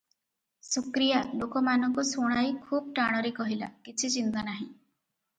ଶୁକ୍ରିଆ ଲୋକମାନଙ୍କୁ ଶୁଣାଇ ଖୁବ୍ ଟାଣରେ କହିଲା, "କିଛି ଚିନ୍ତା ନାହିଁ ।